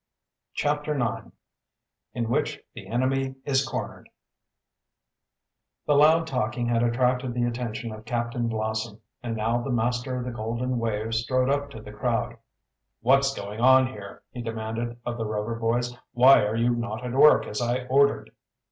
CHAPTER IX IN WHICH THE ENEMY IS CORNERED The loud talking had attracted the attention of Captain Blossom, and now the master of the Golden Wave strode up to the crowd. "What's going on here?" he demanded of the Rover boys. "Why are you not at work, as I ordered?"